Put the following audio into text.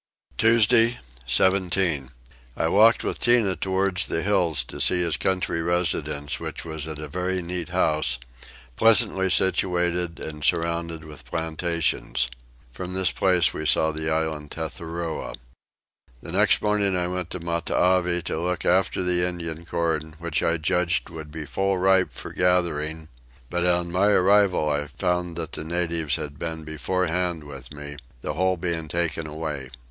Tuesday 17. I walked with Tinah towards the hills to see his country residence which was at a very neat house, pleasantly situated and surrounded with plantations. From this place we saw the island Tethuroa. The next morning I went to Matavai to look after the Indian corn which I judged would be full ripe for gathering; but on my arrival I found that the natives had been beforehand with me, the whole being taken away.